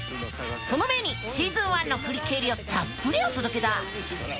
その前にシーズン１の振り返りをたっぷりお届けだ！